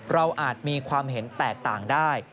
อาจมีความเห็นแตกต่างได้